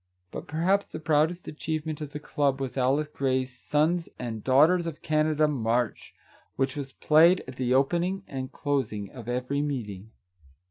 But perhaps the proudest achievement of the club was Alice Grey's " Sons and Daughters of Canada March," which was played at the opening and closing of every meeting.